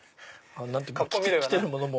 着てるものも。